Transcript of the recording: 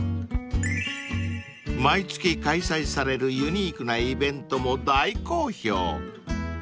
［毎月開催されるユニークなイベントも大好評］